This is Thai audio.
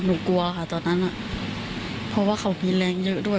กลัวค่ะตอนนั้นเพราะว่าเขามีแรงเยอะด้วย